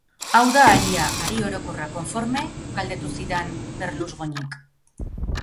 Hau da haria, hari orokorra, konforme? Galdetu zidan Berlusgoñik.